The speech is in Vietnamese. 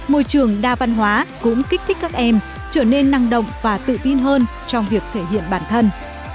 môi trường đa văn hóa cũng kích thích các em trở nên năng động và tự tin hơn trong việc thể hiện bản thân